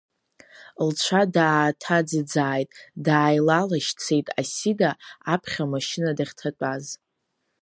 Лцәа дааҭаӡыӡааит, дааилалашьцеит Асида, аԥхьа амашьына дахьҭатәаз.